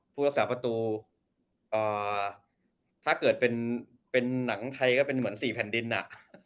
พุทธศาสตร์ประตูถ้าเกิดเป็นหนังไทยก็เป็นเหมือนสี่แผ่นดินอ่ะ